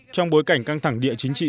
trong bối cảnh căng thẳng địa chính trị